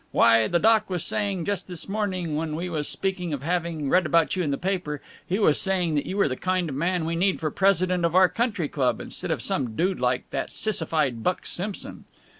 Why, the doc was saying, just this morning, when we was speaking of having read about you in the paper he was saying that you were the kind of man we need for president of our country club, instead of some dude like that sissified Buck Simpson.